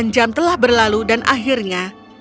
empat puluh delapan jam telah berlalu dan akhirnya